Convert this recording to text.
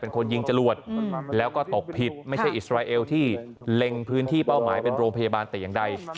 เป็นคนยิงจรวดแล้วก็ตกผิดไม่ใช่อิสราเอลที่เล็งพื้นที่เป้าหมายเป็นโรงพยาบาลแต่อย่างใด